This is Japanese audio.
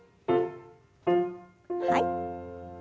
はい。